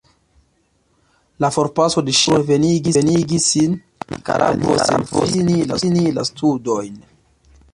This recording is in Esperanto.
La forpaso de ŝia patro revenigis sin al Nikaragvo sen fini la studojn.